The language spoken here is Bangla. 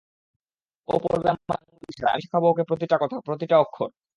ও পড়বে আমার আঙ্গুলের ইশারায়, আমি শেখাব ওকে প্রতিটা কথা, প্রতিটা অক্ষর।